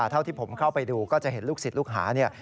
เท่าที่ผมเข้าไปดูก็จะเห็นลูกศิษย์ลูกหาเนี่ย